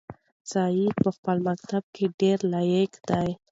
سعید په خپل مکتب کې ډېر لایق دی.